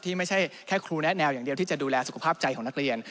ไม่ใช่แค่ครูแนะแนวอย่างเดียวที่จะดูแลสุขภาพใจของนักเรียน